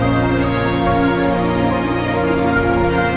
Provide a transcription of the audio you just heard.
berapa cukup menjepit ibu itu berenang